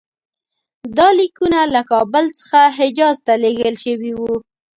دا لیکونه له کابل څخه حجاز ته لېږل شوي وو.